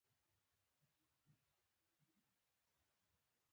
د افغانستان هېواد د خوندورو انارو لپاره یو ډېر ښه کوربه دی.